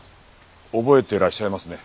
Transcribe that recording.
覚えてらっしゃいますね？